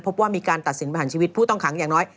พบว่ามีการตัดสินประหารชีวิตผู้ต้องขังอย่างน้อย